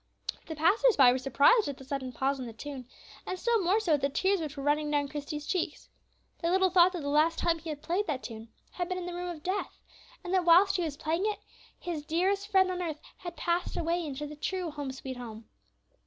The passers by were surprised at the sudden pause in the tune, and still more so at the tears which were running down Christie's cheeks. They little thought that the last time he had played that tune had been in the room of death, and that whilst he was playing it his dearest friend on earth had passed away into the true "Home, sweet Home."